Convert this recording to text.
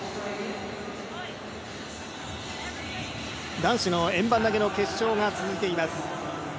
男子の円盤投げの決勝が続いています。